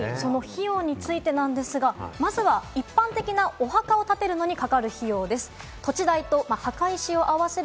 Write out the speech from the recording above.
費用についてですが、一般的なお墓を建てるのにかかる費用です。